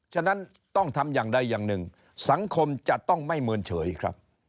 ฉะนั้นต้องทำอย่างใดอย่างหนึ่งสังคมจะต้องไม่เมินเฉยครับ